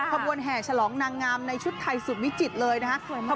ขบวนแห่ฉลองนางงามในชุดไทยสุมวิจิตเลยนะครับ